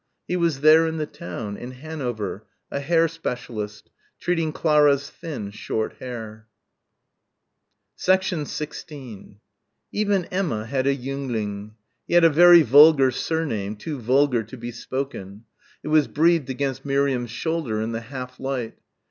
He was there in the town, in Hanover, a hair specialist, treating Clara's thin short hair. 16 Even Emma had a "jüngling." He had a very vulgar surname, too vulgar to be spoken; it was breathed against Miriam's shoulder in the half light.